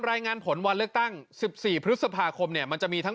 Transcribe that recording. รายงานผลวันเลือกตั้ง๑๔พฤษภาคมเนี่ยมันจะมีทั้ง